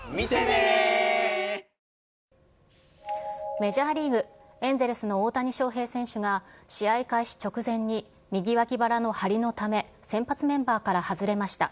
メジャーリーグ・エンゼルスの大谷翔平選手が試合開始直前に右脇腹の張りのため先発メンバーから外れました。